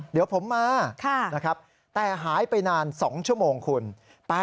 เดี๋ยวผมมานะครับแต่หายไปนาน๒ชั่วโมงคุณ